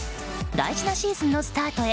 大事なシーズンのスタートへ